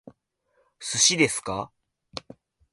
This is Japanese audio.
寿司ですか？